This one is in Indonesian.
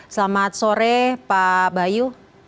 selamat sore pak bayu